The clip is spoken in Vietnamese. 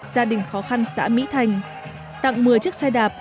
gia đình khó khăn xã mỹ thành tặng một mươi chiếc xe đạp